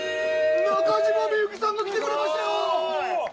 中島みゆきさんが来てくれました！